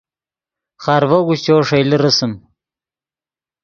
خارڤو اگوشچو ݰئیلے رسم